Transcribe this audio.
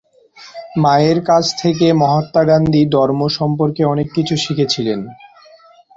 মায়ের কাছ থেকে মহাত্মা গান্ধী ধর্ম সম্পর্কে অনেক কিছু শিখেছিলেন।